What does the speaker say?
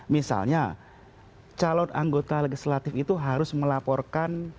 misalnya calon anggota legislatif itu harus melaporkan